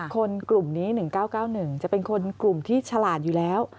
คนกลุ่มนี้๑๙๙๑จะเป็นคนกลุ่มที่ฉลาดอยู่แล้ว